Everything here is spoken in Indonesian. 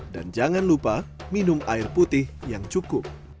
dan jangan lupa minum air putih yang cukup